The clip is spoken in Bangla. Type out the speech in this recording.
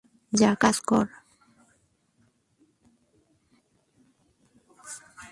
যা কাজ কর।